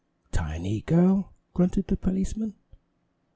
"Tiny Girl!" grunted the policeman.